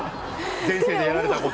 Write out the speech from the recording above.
前世でやられたこと。